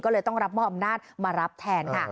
ก็เลยต้องรับมอบอำนาจมารับแทนค่ะ